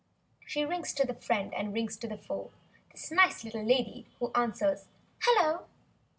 She rings to the friend—and rings to the foe— This nice little lady who answers—"Hello!"